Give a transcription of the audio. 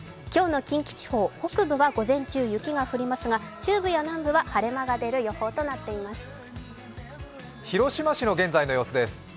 今日の近畿地方、北部は午前中雪が降りますが、中部や南部は晴れ間が出る予報となっています。